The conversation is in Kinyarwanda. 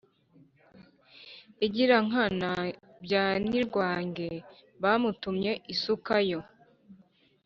igirankana bya Nirwange bamutumye isuka yo